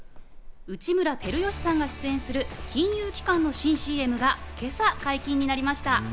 内村光良さんが出演する金融機関の新ＣＭが今朝解禁になりました。